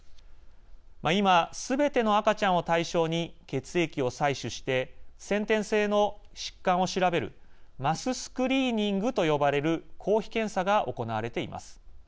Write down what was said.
今、すべての赤ちゃんを対象に血液を採取して先天性の疾患を調べるマススクリーニングと呼ばれる公費検査が行われています。